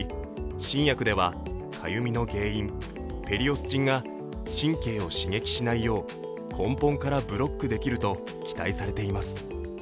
新薬ではかゆみの原因、ペリオスチンが神経を刺激しないよう根本からブロックできると期待されています。